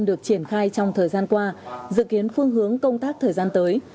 được triển khai trong thời gian qua dự kiến phương hướng công tác thời gian tới